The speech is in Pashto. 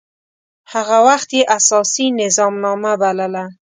هغه وخت يي اساسي نظامنامه بلله.